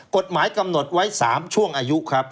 กฎหมายกำหนดไว้๓ช่วงอายุครับ